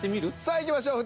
さあいきましょう。